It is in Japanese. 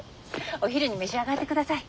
お昼に召し上がってください。